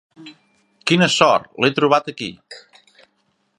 Quina sort, l'he trobat aquí.